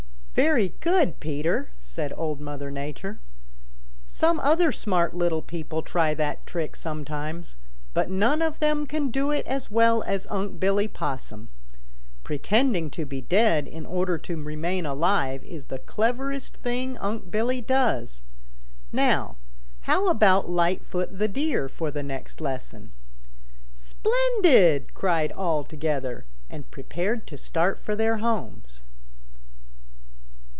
"Very good, Peter," said Old Mother Nature. "Some other smart little people try that trick sometimes, but none of them can do it as well as Unc' Billy Possum. Pretending to be dead in order to remain alive is the cleverest thing Unc' Billy does. Now how about Lightfoot the Deer for the next lesson?" "Splendid," cried all together and prepared to start for their homes.